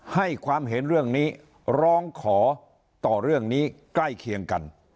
ให้ความเห็นเรื่องนี้ร้องขอต่อเรื่องนี้ใกล้เคียงกัน